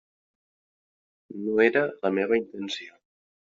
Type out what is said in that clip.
No era la meva intenció.